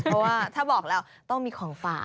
เพราะว่าถ้าบอกแล้วต้องมีของฝาก